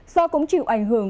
do cũng chịu ảnh hưởng